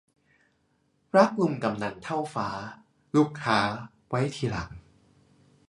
รักลุงกำนันเท่าฟ้า ลูกค้าไว้ทีหลัง